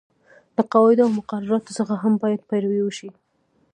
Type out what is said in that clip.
له قواعدو او مقرراتو څخه هم باید پیروي وشي.